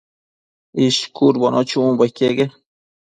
ishcudbono chunbo iqueque